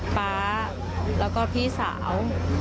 ป๊าแล้วก็พี่สาว